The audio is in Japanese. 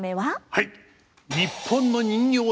はい！